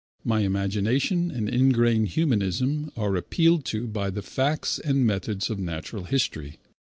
My imagination and ingrained humanism are appealed to by the facts and methods of natural history.